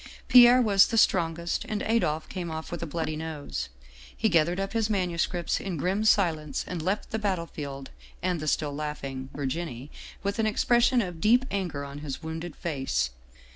" Pierre was the strongest, and Adolphe came off with a bloody nose. He gathered up his manuscripts in grim si lence and left the battlefield and the still laughing Virginie with an expression of deep anger on his wounded face.